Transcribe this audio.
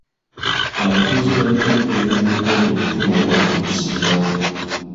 Abatuuze balina okugenda mu kkooti okufuna obubaka obusingawo.